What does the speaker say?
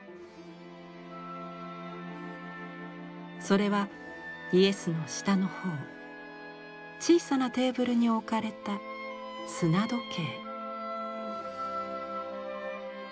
それはイエスの下の方小さなテーブルに置かれた砂時計。